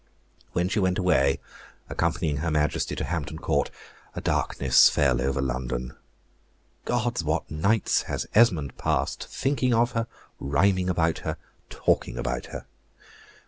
When she went away, accompanying her Majesty to Hampton Court, a darkness fell over London. Gods, what nights has Esmond passed, thinking of her, rhyming about her, talking about her!